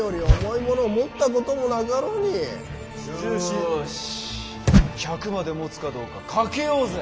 よし１００までもつかどうか賭けようぜ。